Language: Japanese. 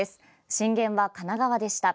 震源は神奈川でした。